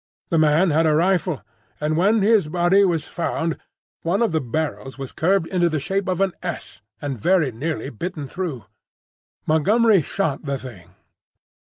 The man had a rifle; and when his body was found, one of the barrels was curved into the shape of an S and very nearly bitten through. Montgomery shot the thing.